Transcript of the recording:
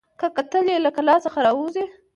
که کتل یې له کلا خلک راوزي